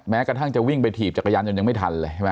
แม้กระทั่งจะวิ่งไปถีบจากกระยันจนยังไม่ทันเลย